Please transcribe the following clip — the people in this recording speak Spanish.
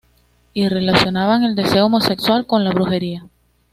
Y relacionaban el deseo homosexual con la brujería.